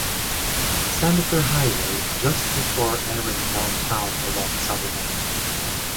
Sandifer Highway just before entering downtown along Southern Avenue.